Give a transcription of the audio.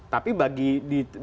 tapi bagi di turun